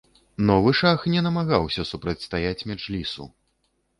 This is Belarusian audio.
Новы шах не намагаўся супрацьстаяць меджлісу.